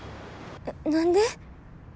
何で？